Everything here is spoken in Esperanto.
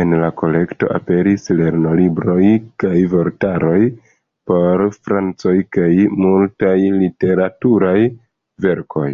En la kolekto aperis lernolibroj kaj vortaroj por francoj kaj multaj literaturaj verkoj.